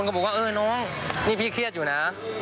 คาติเค้าโอเคเลยนะ